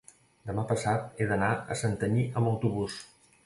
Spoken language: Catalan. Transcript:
Demà passat he d'anar a Santanyí amb autobús.